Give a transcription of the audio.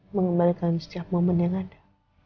mengembalikan setiap momen yang ada